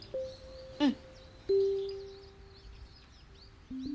うん。